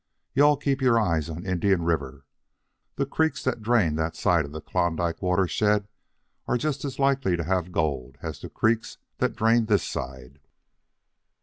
You all keep your eyes on Indian River. The creeks that drain that side the Klondike watershed are just as likely to have gold as the creeks that drain this side."